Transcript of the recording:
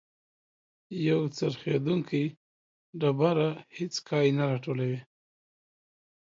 یو څرخیدونکی ډبره هیڅ کای نه راټولوي.